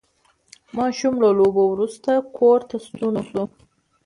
ماشوم له لوبو وروسته کور ته ستون شو